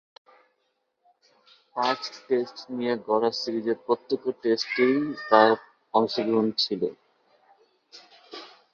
পাঁচ-টেস্ট নিয়ে গড়া সিরিজের প্রত্যেক টেস্টেই তার অংশগ্রহণ ছিল।